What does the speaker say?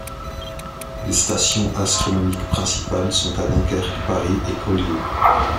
Les stations astronomiques principales sont à Dunkerque, Paris et Collioure.